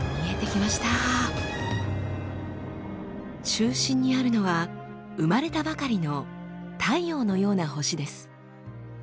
中心にあるのは生まれたばかりの太陽のような星です。